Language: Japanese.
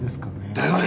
だよね！